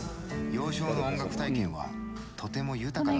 「幼少の音楽体験はとても豊かだった。